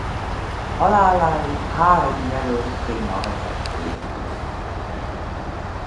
Haláláig három jelölt témavezetője.